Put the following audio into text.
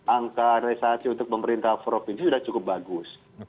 angka realisasi untuk pemerintah provinsi sudah cukup bagus